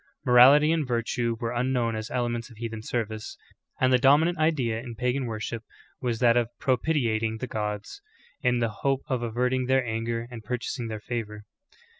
Morality and virtue were unknown as elements of heathen service; and the dominant idea in pagan worship was that of pro pitiating the gods, in the hope of averting their anger and purchasing their favor.